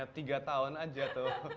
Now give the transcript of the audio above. tiga tahun aja tuh